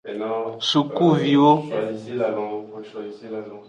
Sukuviwo.